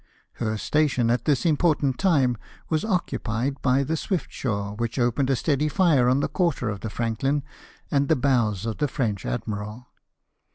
Her station, at this important time, was occupied by the Swiftsure, which opened a steady fire on the quarter of the Franklin and the bows of the French admiral.